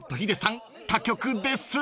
他局です］